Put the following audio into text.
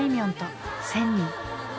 んと１，０００人。